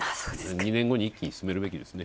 ２年後に一気に進めるべきですね。